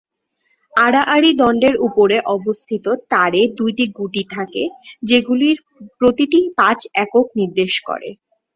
আড়াআড়ি দণ্ডের উপরে অবস্থিত তারে দুইটি গুটি থাকে, যেগুলির প্রতিটি পাঁচ একক নির্দেশ করে।